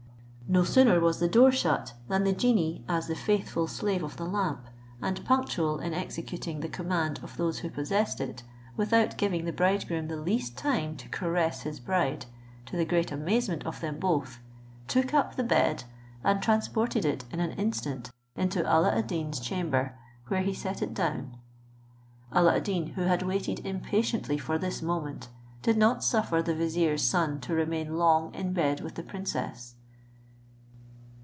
No sooner was the door shut, than the genie, as the faithful slave of the lamp, and punctual in executing the command of those who possessed it, without giving the bridegroom the least time to caress his bride, to the great amazement of them both, took up the bed, and transported it in an instant into Alla ad Deen's chamber, where he set it down. Alla ad Deen, who had waited impatiently for this moment, did not suffer the vizier's son to remain long in bed with the princess.